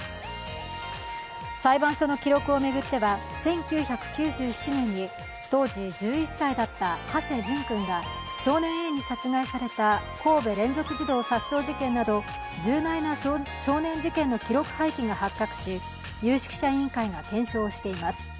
裁判所の記録を巡っては１９９７年に当時１１歳だった土師淳くんが少年Ａに殺害された神戸連続児童殺傷事件など重大な少年事件の記録廃棄が発覚し有識者委員会が検証しています。